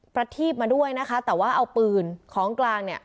ประทีบมาด้วยนะคะแต่ว่าเอาปืนของกลางเนี่ย